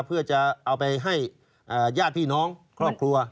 เพื่อจะเอาไปให้ญาติพี่น้องครอบครัว